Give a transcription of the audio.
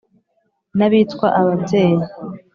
n’abitwa ababyeyi!